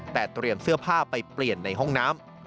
แต่เตรียมเสื้อผ้าไปเปลี่ยนในห้องน้ำ